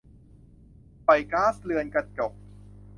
ปล่อยก๊าซเรือนกระจก